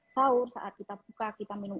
sahur saat kita buka kita minum